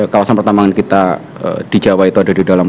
kawasan pertambangan kita di jawa itu ada di dalam